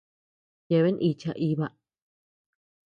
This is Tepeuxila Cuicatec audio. Yeaben icha iba.